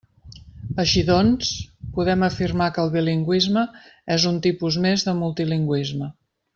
Així doncs, podem afirmar que el bilingüisme és un tipus més de multilingüisme.